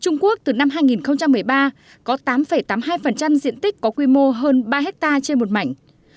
trung quốc từ năm hai nghìn một mươi ba có tám tám mươi hai diện tích có quy mô hơn ba hectare trên một mảnh